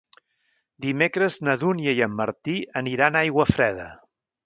Dimecres na Dúnia i en Martí aniran a Aiguafreda.